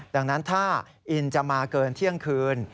ดังนั้นถ้าอินจะมาเกินเที่ยงคืน